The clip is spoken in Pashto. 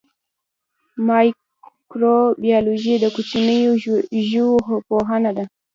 مایکروبیولوژي د کوچنیو ژویو پوهنه ده